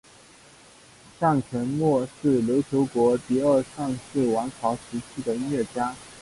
向全谟是琉球国第二尚氏王朝时期的音乐家。